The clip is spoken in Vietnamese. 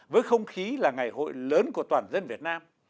với không khí là ngày hội lớn của toàn dân việt nam